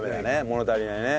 物足りないね。